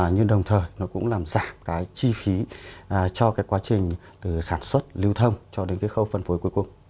nhưng đồng thời nó cũng làm giảm cái chi phí cho cái quá trình từ sản xuất lưu thông cho đến cái khâu phân phối cuối cùng